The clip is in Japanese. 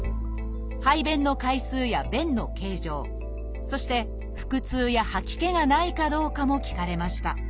排便の回数や便の形状そして腹痛や吐き気がないかどうかも聞かれました